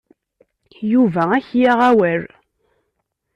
Yuba ad ak-yaɣ awal.